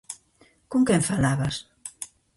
-Con quen falabas?